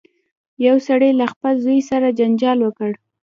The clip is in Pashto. یو سړي له خپل زوی سره جنجال وکړ.